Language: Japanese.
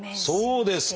そうですか！